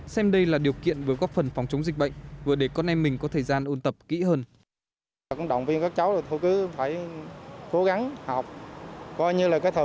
xem đây là điều kiện vừa góp phần phòng chống dịch bệnh vừa để con em mình có thời gian ôn tập kỹ hơn